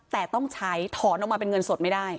แต่ต้องใช้ถอนออกมาเป็นเงินสดไม่ได้